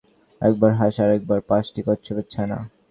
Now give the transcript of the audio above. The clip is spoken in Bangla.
একবার দেখা যাবে কুমিরের বাচ্চা, একবার হাঁস আরেকবার পাঁচটি কচ্ছপের ছানা।